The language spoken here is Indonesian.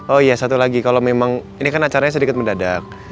oh iya satu lagi kalau memang ini kan acaranya sedikit mendadak